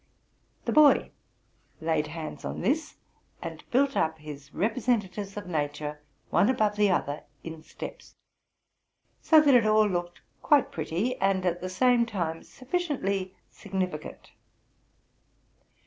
The boy laid hands on this, and built up his representatives of nature one above the other in steps ; so that it all looked quite pretty and at the same time sufficiently sig nificant.